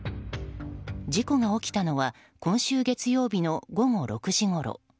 事故が起きたのは今週月曜日の午後６時ごろ。